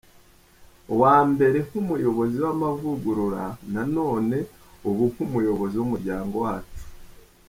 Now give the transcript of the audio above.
Ubwa mbere nk’umuyobozi w’amavugurura nanone ubu nk’umuyobozi w’umuryango wacu.